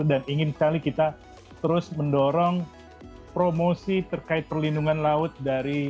dan ingin sekali kita terus mendorong promosi terkait perlindungan lantai